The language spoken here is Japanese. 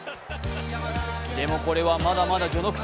でもこれはまだまだ序の口。